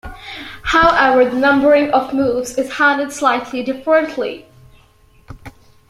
However, the numbering of moves is handled slightly differently.